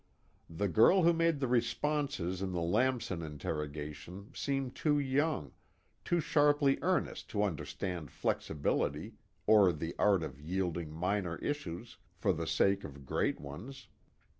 The girl who made the responses in the Lamson interrogation seemed too young, too sharply earnest to understand flexibility or the art of yielding minor issues for the sake of great ones.